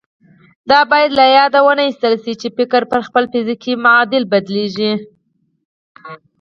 دا بايد له ياده ونه ايستل شي چې فکر پر خپل فزيکي معادل بدلېږي.